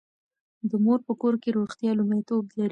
د مور په کور کې روغتیا لومړیتوب لري.